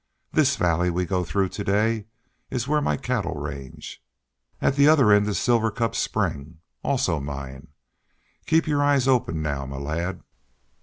This valley we go through to day is where my cattle range. At the other end is Silver Cup Spring, also mine. Keep your eyes open now, my lad."